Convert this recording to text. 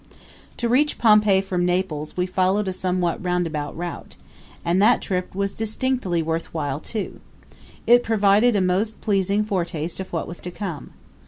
To reach Pompeii from Naples we followed a somewhat roundabout route; and that trip was distinctly worth while too. It provided a most pleasing foretaste of what was to come.